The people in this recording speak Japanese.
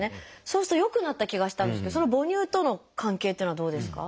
そうすると良くなった気がしたんですけど母乳との関係っていうのはどうですか？